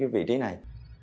cái vị trí này